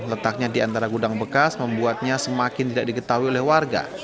letaknya di antara gudang bekas membuatnya semakin tidak diketahui oleh warga